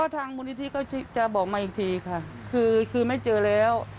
ทางมูลนิธิก็จะบอกมาอีกทีค่ะคือไม่เจอแล้ว